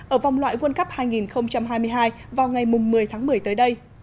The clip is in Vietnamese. ở vòng loại world cup hai nghìn hai mươi hai vào ngày một mươi tháng một mươi tới đây